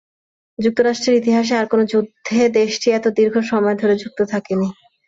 যুক্তরাষ্ট্রের ইতিহাসে আর কোনো যুদ্ধে দেশটি এত দীর্ঘ সময় ধরে যুক্ত থাকেনি।